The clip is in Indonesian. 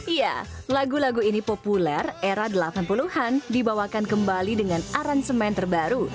iya lagu lagu ini populer era delapan puluh an dibawakan kembali dengan aransemen terbaru